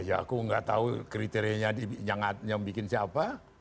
ya aku nggak tahu kriterianya yang bikin siapa